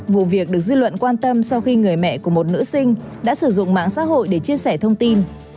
vụ việc được dư luận quan tâm sau khi người mẹ của một nữ sinh đã sử dụng mạng xã hội để chia sẻ thông tin